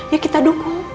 ya kita dukung